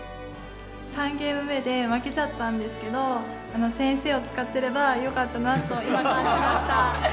３ゲーム目で負けちゃったんですけど先生を使ってればよかったなと今感じました。